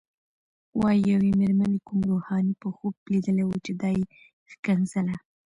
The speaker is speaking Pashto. وايي یوې مېرمنې کوم روحاني په خوب لیدلی و چې دا یې ښکنځله.